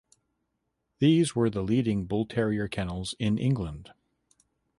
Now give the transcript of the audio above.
These were the leading Bull Terrier kennels in England.